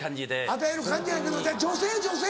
与える感じやけどちゃう女性女性。